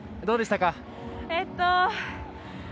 どうでしたか？